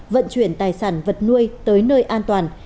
vận chuyển tài sản vật nuôi tới nơi an toàn